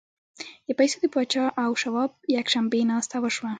د پیسو د پاچا او شواب یکشنبې ناسته وشوه